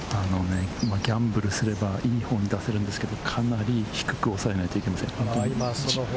ギャンブルすれば、いい方に出せるんですけれど、かなり低く抑えないといけません。